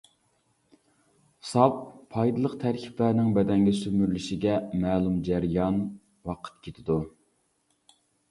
ساپ، پايدىلىق تەركىبلەرنىڭ بەدەنگە سۈمۈرۈلۈشىگە مەلۇم جەريان ۋاقىت كېتىدۇ.